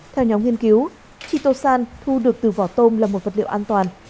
theo nhóm nghiên cứu chitosan thu được từ vỏ tôm là một vật liệu an toàn